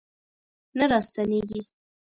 نه راستنیږي